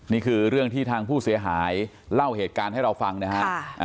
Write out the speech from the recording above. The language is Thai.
นี่คือเรื่องที่ทางผู้เสียหายเล่าเหตุการณ์ให้เราฟังนะฮะ